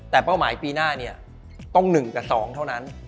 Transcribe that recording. แต่เป้าหมายปีหน้าเนี่ยต้อง๑กับ๒เท่านั้น